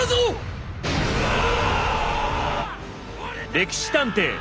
「歴史探偵」。